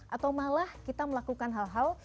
atau malah kita melakukan hal hal